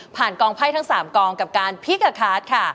ผ่านกองไพ้ทั้งสามกองกับการพิกกัดค้าว